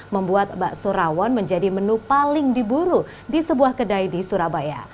membuat bakso rawon menjadi menu paling diburu di sebuah kedai di surabaya